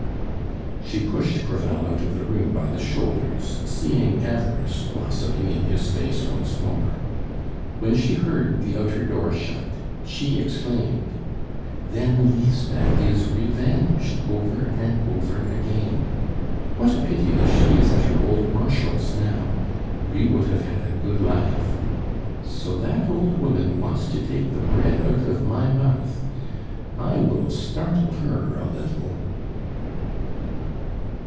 She pushed Crevel out of the room by the shoulders, seeing avarice blossoming in his face once more. When she heard the outer door shut, she exclaimed: "Then Lisbeth is revenged over and over again! What a pity that she is at her old Marshal's now! We would have had a good laugh! So that old woman wants to take the bread out of my mouth. I will startle her a little!"